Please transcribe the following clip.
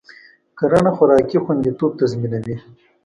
کرنه خوراکي خوندیتوب تضمینوي.